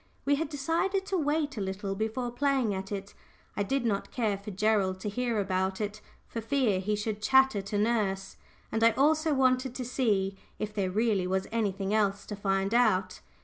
We had decided to wait a little before playing at it. I did not care for Gerald to hear about it, for fear he should chatter to nurse, and I also wanted to see if there really was anything else to find out.